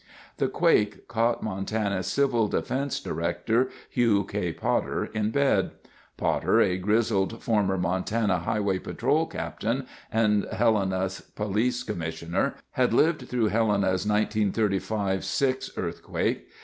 The quake caught Montana's Civil Defense Director Hugh K. Potter in bed. Potter, a grizzled former Montana Highway Patrol Captain and Helena Police Commissioner, had lived through Helena's 1935 6 earthquake.